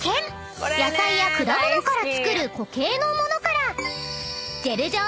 ［野菜や果物から作る固形の物から］